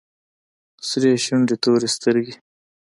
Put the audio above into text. سرې شونډې تورې سترگې.